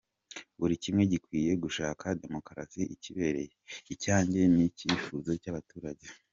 Buri kimwe gikwiye gushaka demokarasi ikibereye, ijyanye n’ibyifuzo by’abaturage.